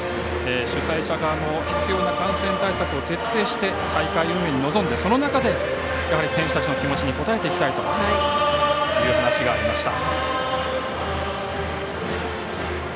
主催者側も必要な感染対策を徹底して大会運営に臨んでその中で、選手たちの気持ちに応えていきたいという話がありました。